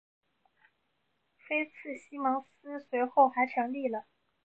菲茨西蒙斯随后还成立了。